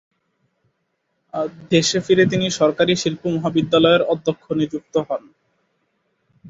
দেশে ফিরে তিনি সরকারি শিল্প মহাবিদ্যালয়ের অধ্যক্ষ নিযুক্ত হন।